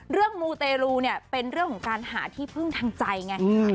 มูเตรูเนี่ยเป็นเรื่องของการหาที่พึ่งทางใจไง